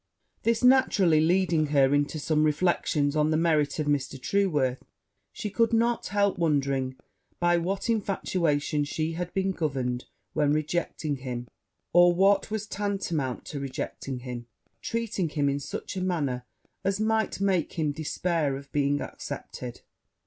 This naturally leading her into some reflections on the merits of Mr. Trueworth, she could not help wondering by what infatuation she had been governed when rejecting him, or, what was tantamount to rejecting him, treating him in such a manner as might make him despair of being accepted.